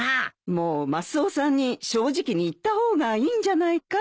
もうマスオさんに正直に言った方がいいんじゃないかい？